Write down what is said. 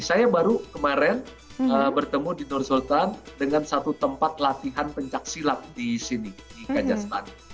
saya baru kemarin bertemu di nur sultan dengan satu tempat latihan pencaksilat di sini di kajastan